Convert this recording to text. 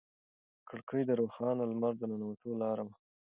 کړکۍ د روښانه لمر د ننوتلو لاره وه.